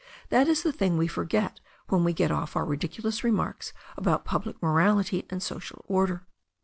That is the thing we forget when we get off our ridiculous remarks about public morality and social order.